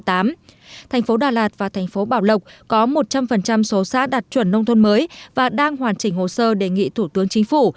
thành phố đà lạt và thành phố bảo lộc có một trăm linh số xã đạt chuẩn nông thôn mới và đang hoàn chỉnh hồ sơ đề nghị thủ tướng chính phủ